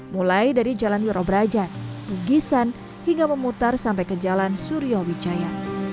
mulai dari jalan yorobrajan bugisan hingga memutar sampai ke jalan suryawijaya